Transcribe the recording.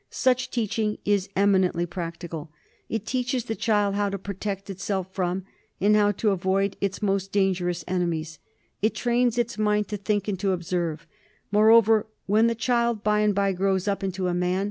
Such teaching is eminently practical. It teaches the child how to protect itself from, and how to avoid its most dangerous enemies. It trains its mind to think and to observe. Moreover, when the child by and by grows up into a mai> TEACHINGS OF TROPICAL HYGIENE.